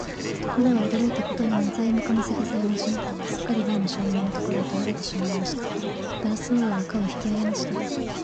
ところが、驚いたことには、材木も石材も人夫もすっかりれいの商人のところへ取られてしまいました。タラス王は価を引き上げました。